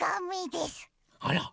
あら！